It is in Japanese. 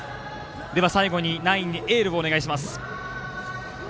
では、最後にナインにエールをお願いします。